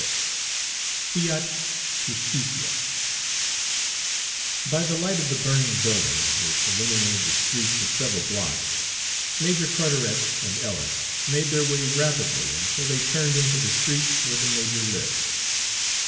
XXXVI FIAT JUSTITIA By the light of the burning building, which illuminated the street for several blocks, Major Carteret and Ellis made their way rapidly until they turned into the street where the major lived.